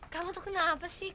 kamu tuh kenapa sih